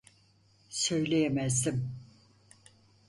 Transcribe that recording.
Söyleyemezdim.